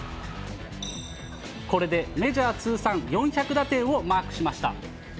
これでメジャー通算４００打点をマークしました。